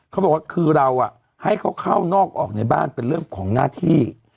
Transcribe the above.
เขาบอกว่าคือเราให้เขาเข้านอกออกในบ้านเป็นเรื่องของหน้าที่